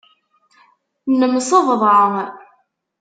Nemsebḍa.